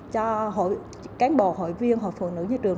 cho cán bộ hội viên hội phụ nữ với trường